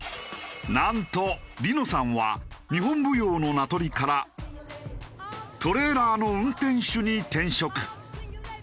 なんと梨乃さんは日本舞踊の名取からトレーラーの運転手に転職。